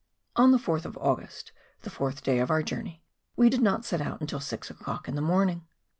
On the 4th of August, the fourth day of our journey, we did not set out until six o'clock in the morning.